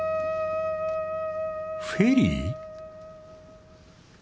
フェリー？